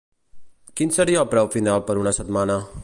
Quin seria el preu final per una setmana?